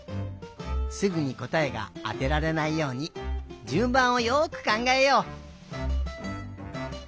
すぐにこたえがあてられないようにじゅんばんをよくかんがえよう。